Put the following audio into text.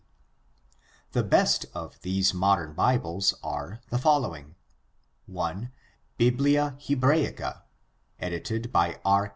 d.). The best of these modern Bibles are the following: (i) Biblia Hebraica edited by R.